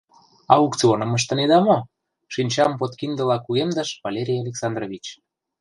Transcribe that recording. — Аукционым ыштынеда мо? — шинчам подкиндыла кугемдыш Валерий Александрович.